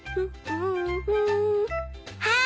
はい！